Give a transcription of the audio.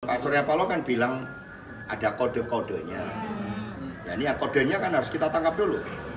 pak surya paloh kan bilang ada kode kodenya kodenya kan harus kita tangkap dulu